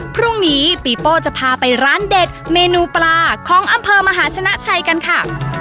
พรุ่งนี้ปีโป้จะพาไปร้านเด็ดเมนูปลาของอำเภอมหาชนะชัยกันค่ะ